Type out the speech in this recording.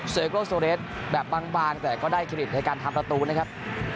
เซิร์คโลโซเลสแบบบางแต่ก็ได้คลิตในการทำประตูนะครับ